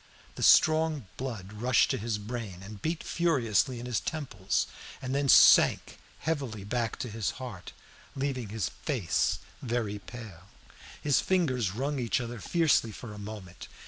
The strong blood rushed to his brain and beat furiously in his temples, and then sank heavily back to his heart, leaving his face very pale. His fingers wrung each other fiercely for a moment.